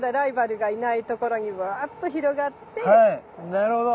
なるほど。